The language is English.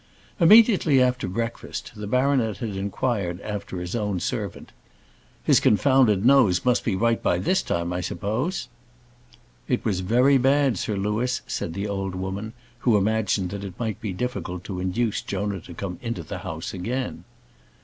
Immediately after breakfast, the baronet had inquired after his own servant. "His confounded nose must be right by this time, I suppose?" "It was very bad, Sir Louis," said the old woman, who imagined that it might be difficult to induce Jonah to come into the house again.